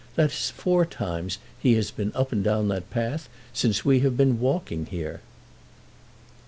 That is four times he has been up and down that path since we have been walking here."